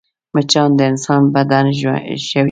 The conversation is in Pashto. مچان د انسان بدن ژوي